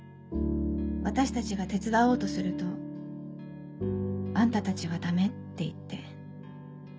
私たちが手伝おうとすると「あんたたちはダメ！」って言って。